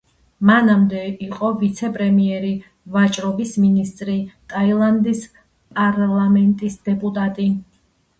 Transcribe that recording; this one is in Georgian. მანამდე იყო ვიცე-პრემიერი, ვაჭრობის მინისტრი, ტაილანდის პარლამენტის დეპუტატი.